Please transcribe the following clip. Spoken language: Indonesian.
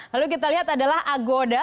lalu kita lihat adalah agoda